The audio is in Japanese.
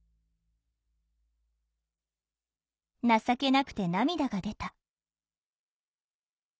「情けなくて涙が出た」。